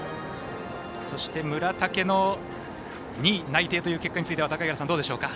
そして、村竹の２位内定という結果はどうでしょうか。